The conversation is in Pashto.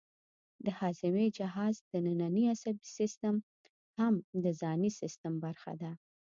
د هاضمې جهاز دنننی عصبي سیستم هم د ځانی سیستم برخه ده